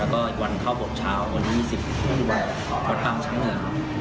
แล้วก็อีกวันเข้าบทเช้าวัน๒๐นบทพรรมชั้นเหนือ